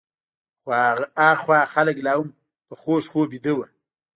خو هخوا خلک لا هم په خوږ خوب ویده وو.